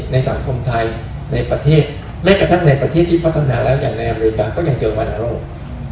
ในสังคมไทยในประเทศแม้กระทั่งในประเทศที่พัฒนาแล้วอย่างในอเมริกันก็ยังเจอวรรณโรค